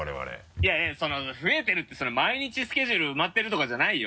いやいや増えてるって毎日スケジュール埋まってるとかじゃないよ。